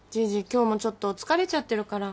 今日もちょっと疲れちゃってるから。